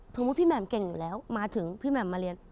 พี่แหม่มเก่งอยู่แล้วมาถึงพี่แหม่มมาเรียน